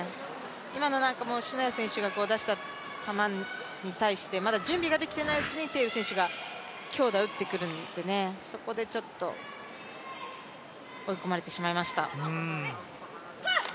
今の篠谷選手が出した球に対してまだ準備ができてないうちに鄭雨選手が強打打ってくるんでね、そこでちょっと追い込まれてしまいました。